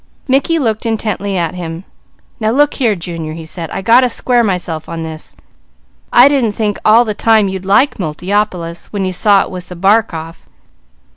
Mickey looked intently at him. "Now look here Junior," he said, "I got to square myself on this. I didn't think all the time you'd like Multiopolis, when you saw it with the bark off.